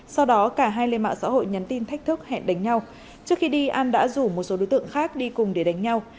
sau đó cả hai lên mạng xã hội nhắn tin thách thức hẹn đánh nhau trước khi đi an đã rủ một số đối tượng khác đi cùng để đánh nhau